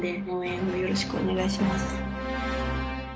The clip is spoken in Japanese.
応援をよろしくお願いします。